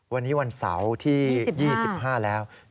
วันนี้วันเสาร์ที่๒๕แล้ว